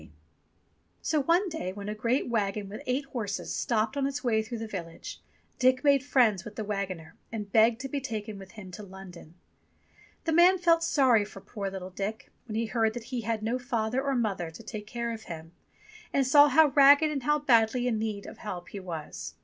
239 240 ENGLISH FAIRY TALES So one day when a great waggon with eight horses stopped on its way through the village, Dick made friends with the waggoner and begged to be taken with him to London. The man felt sorry for poor little Dick when he heard that he had no father or mother to take care of him, and saw how ragged and how badly in need of help he was.